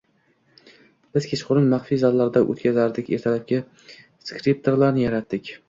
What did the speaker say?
Biz kechqurun maxfiy zallarda o'tkazdik, ertalabki skriptlarni yaratdik